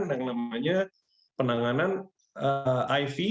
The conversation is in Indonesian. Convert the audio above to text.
dengan namanya penanganan iv